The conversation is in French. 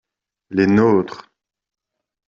Les nôtres.